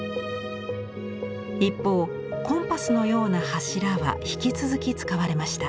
一方コンパスのような柱は引き続き使われました。